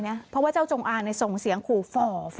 เพราะว่าเจ้าจงอางส่งเสียงขู่ฝ่อ